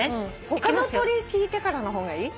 他の鳥聞いてからの方がいい？